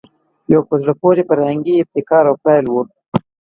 یو په زړه پورې فرهنګي ابتکار او پیل وو